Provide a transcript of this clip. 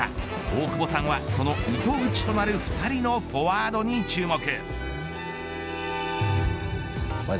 大久保さんはその糸口となる２人のフォワードに注目。